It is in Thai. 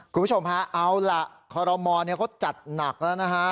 คุณผู้ชมฮะเอาล่ะคอรมอลเขาจัดหนักแล้วนะฮะ